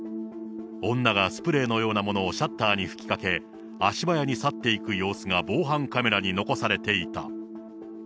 女がスプレーのようなものをシャッターにふきかけ、足早に去っていく様子が防犯カメラに残されていた。